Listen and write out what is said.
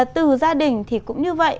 từ gia đình thì cũng như vậy